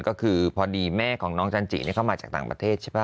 ก็คือพอดีแม่ของน้องจันจิเข้ามาจากต่างประเทศใช่ป่